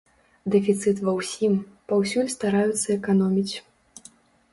Дэфіцыт ва ўсім, паўсюль стараюцца эканоміць.